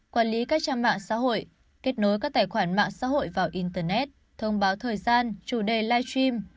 quản lý các trang mạng xã hội kết nối các tài khoản mạng xã hội vào internet thông báo thời gian chủ đề live stream